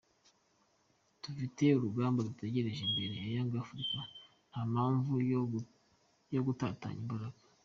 Dufite urugamba rudutegereje imbere ya Young Africans, nta mpamvu yo gutatanya imbaraga.”